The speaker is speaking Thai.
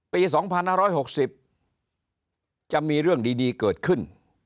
ปี๒๕๖๐จะมีเรื่องดีเกิดขึ้น